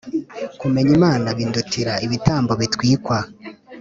kumenya Imana bindutira ibitambo bitwikwa.